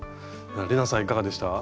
玲奈さんはいかがでした？